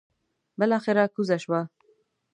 بلاخره کوزه شوه.